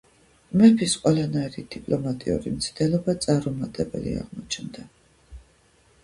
მეფის ყველანაირი დიპლომატიური მცდელობა წარუმატებელი აღმოჩნდა.